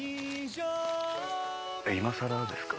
えっ今さらですか？